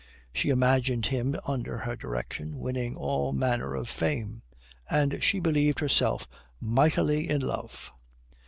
She imagined him under her direction winning all manner of fame. And she believed herself mightily in love....